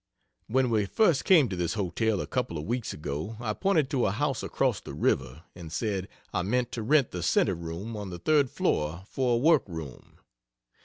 When we first came to this hotel, a couple of weeks ago, I pointed to a house across the river, and said I meant to rent the centre room on the 3d floor for a work room.